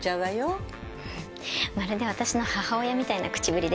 まるで私の母親みたいな口ぶりですね。